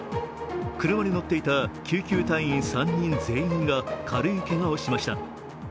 車に乗っていた救急隊員３人全員が軽いけがをしました。